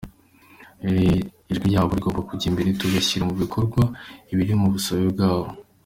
Ijwi ryabo rigomba kujya imbere tugashyira mu bikorwa ibiri mu busabe bwabo.